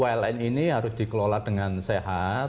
pln ini harus dikelola dengan sehat